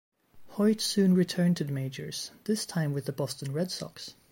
Hoyt soon returned to the majors, this time with the Boston Red Sox.